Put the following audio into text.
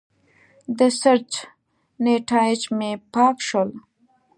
د سرچ نیتایج مې پاک شول.